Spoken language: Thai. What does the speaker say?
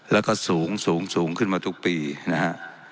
แล้วก็สูงสูงขึ้นมาทุกปีนะฮะ